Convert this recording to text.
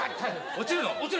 落ちるの。